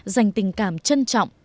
dành tình cảm trân trọng